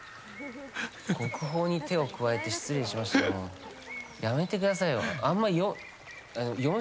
国宝に手を加えて失礼しましたってやめてくださいよ。